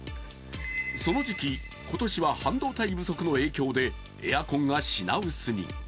その時期、今年は半導体不足の影響でエアコンが品薄に。